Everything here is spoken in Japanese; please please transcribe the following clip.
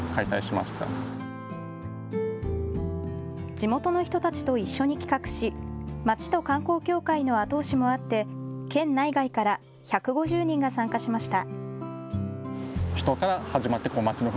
地元の人たちと一緒に企画し町と観光協会の後押しもあって県内外から１５０人が参加しました。